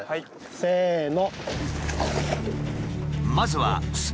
せの。